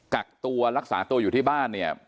กักตัวรักษาตัวอยู่ที่บ้านเนี่ย